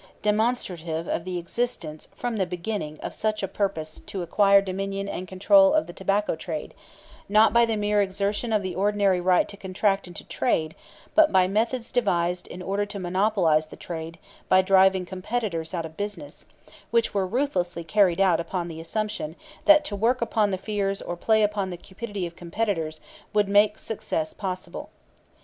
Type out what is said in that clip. . demonstrative of the existence from the beginning of a purpose to acquire dominion and control of the tobacco trade, not by the mere exertion of the ordinary right to contract and to trade, but by methods devised in order to monopolize the trade by driving competitors out of business, which were ruthlessly carried out upon the assumption that to work upon the fears or play upon the cupidity of competitors would make success possible."